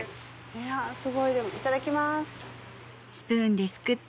いやすごいいただきます。